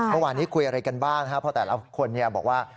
เมื่อวานนี้คุยอะไรกันบ้างนะครับเพราะแต่ละคนบอกว่า